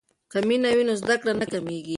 که مینه وي نو زده کړه نه کمیږي.